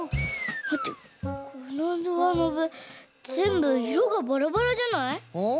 まってこのドアノブぜんぶいろがバラバラじゃない？ん？